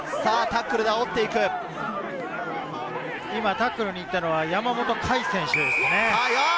タックルに行ったのは山本凱選手ですね。